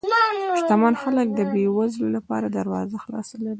شتمن خلک د بې وزلو لپاره دروازه خلاصه لري.